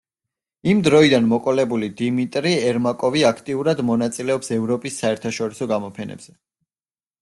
იმ დროიდან მოყოლებული დიმიტრი ერმაკოვი აქტიურად მონაწილეობს ევროპის საერთაშორისო გამოფენებზე.